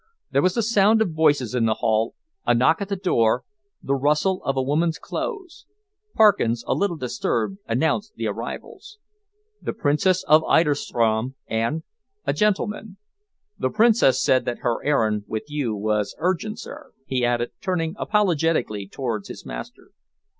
There was the sound of voices in the hall, a knock at the door, the rustle of a woman's clothes. Parkins, a little disturbed, announced the arrivals. "The Princess of Eiderstrom and a gentleman. The Princess said that her errand with you was urgent, sir," he added, turning apologetically towards his master.